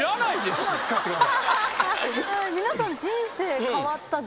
皆さん。